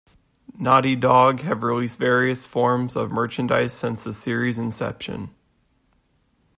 Naughty Dog have released various forms of merchandise since the series inception.